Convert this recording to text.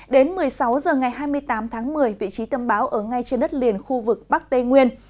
đến một mươi sáu h ngày hai mươi tám tháng một mươi vị trí tâm bão ở ngay trên đất liền khu vực bắc tây nguyên